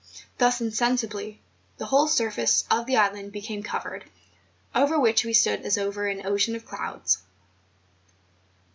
Thus insensibly the whole surface of the island became covered, over which we stood as over an ocean of clouds.